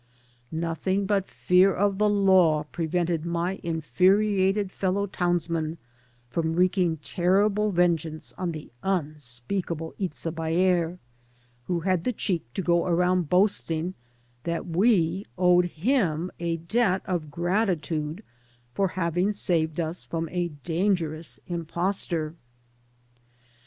Nothing but fear of the law prevented my infuriated fellow townsmen from wreaking terrible ven geance on the unspeakable Itza Baer, who had the cheek to go around boasting that we owed him a debt of gratitude for having^vsaved us from a dangerous tmpostol*.